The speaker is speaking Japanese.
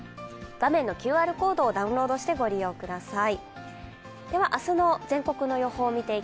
画面のＱＲコードをダウンロードしてご覧ください。